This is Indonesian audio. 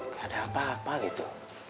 gak ada apa apa gitu